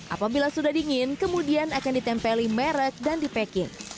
apabila sudah dingin kemudian akan ditempeli merek dan dipekin